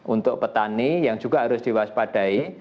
untuk petani yang juga harus diwaspadai